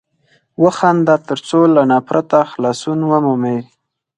وخانده تر څو له نفرته خلاصون ومومې!